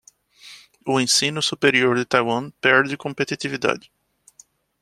O ensino superior de Taiwan perde competitividade